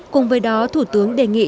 cùng với đó thủ tướng đề nghị